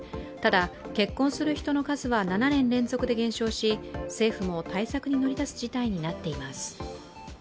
ただ、結婚する人の数は７年連続で減少し政府も対策に乗り出す事態になっています。